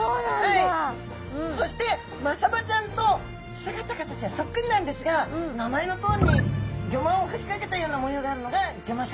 そしてマサバちゃんと姿形はそっくりなんですが名前のとおりにギョマをふりかけたような模様があるのがゴマサバちゃんです。